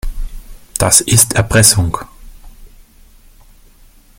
Das ist Erpressung.